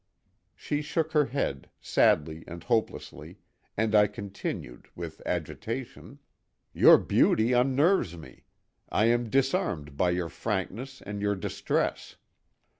She shook her head, sadly and hopelessly, and I continued, with agitation: "Your beauty unnerves me. I am disarmed by your frankness and your distress.